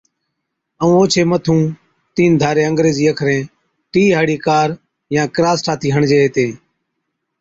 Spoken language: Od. ائُون اوڇي مَٿُون تين ڌاري انگريزي اکرين T ھاڙِي ڪار يان ڪِراس ٺاٿِي ھڻجي ھِتين